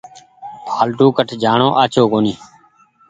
ڦآلتو ڪٺ جآڻو آڇو ڪونيٚ۔